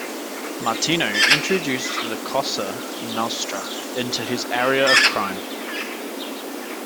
Martino introduced the Cosa Nostra into this area of crime.